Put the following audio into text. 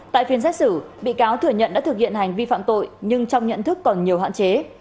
tại phiên xét xử bị cáo thừa nhận đã thực hiện hành vi phạm tội nhưng trong nhận thức còn nhiều hạn chế